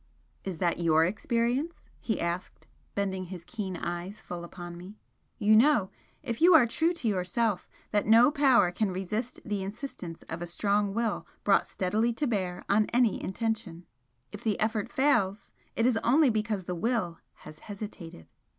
"Is that your experience?" he asked, bending his keen eyes full upon me "You know, if you are true to yourself, that no power can resist the insistence of a strong Will brought steadily to bear on any intention. If the effort fails, it is only because the Will has hesitated.